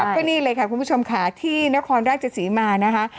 ก็นี่เลยค่ะคุณผู้ชมค่ะที่นครราชศรีมานะคะ